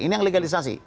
ini yang legalisasi